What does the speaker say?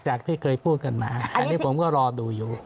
ที่เคยพูดกันมาอันนี้ผมก็รอดูอยู่